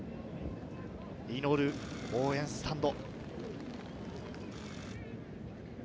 祈る応援スタンド。